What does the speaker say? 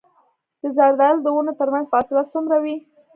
د زردالو د ونو ترمنځ فاصله څومره وي؟